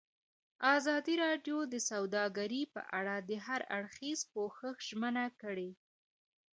ازادي راډیو د سوداګري په اړه د هر اړخیز پوښښ ژمنه کړې.